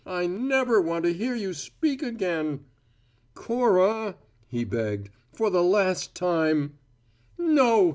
I never want to hear you speak again." "Cora," he begged. "For the last time " "No!